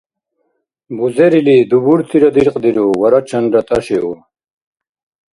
Бузерили дубуртира диркьдиру варачанра тӀашиу.